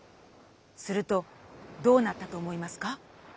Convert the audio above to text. するとどうなったと思いますか？